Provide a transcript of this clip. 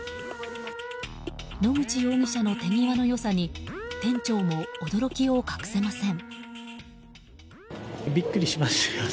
野口容疑者の手際の良さに店長も驚きを隠せません。